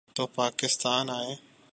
تو پاکستان آئیں۔